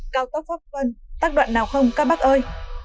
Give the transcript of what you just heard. cao tốc pháp quân tác đoạn nào không các bác ơi